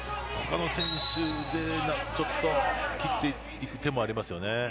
他の選手で切っていく手もありますよね。